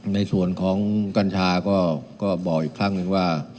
ในส่วนของกัญชาก็บอกอีกครั้งหนึ่งว่า